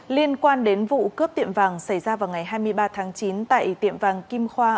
liên quan đến vụ cướp tiệm vàng xảy ra vào ngày hai mươi ba tháng chín tại tiệm vàng kim khoa